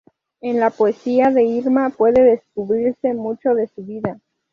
En la poesía de Irma puede descubrirse mucho de su vida.